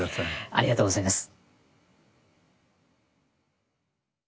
ありがとうございます。